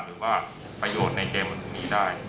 หรือว่าประโยชน์ในเกมอุ่นที่นี่ได้